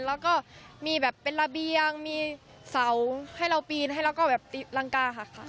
แล้วก็มีแบบเป็นระเบียงมีเสาให้เราปีนให้แล้วก็แบบตีรังกาหักค่ะ